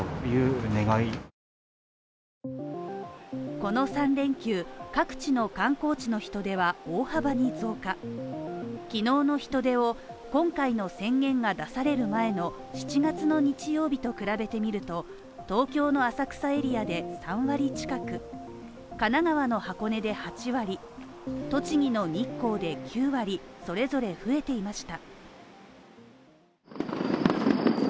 この３連休各地の観光地の人出は大幅に増加昨日の人出を今回の宣言が出される前の７月の日曜日と比べてみると東京の浅草エリアで３割近く神奈川の箱根で８割栃木の日光で９割それぞれ増えていました